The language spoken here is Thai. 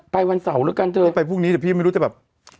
ไปวันเสาร์กันเพราะมันมาอยู่เนี่ย